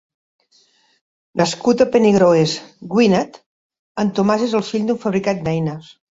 Nascut a Penygroes, Gwynedd, en Tomàs és el fill d'un fabricant d'eines.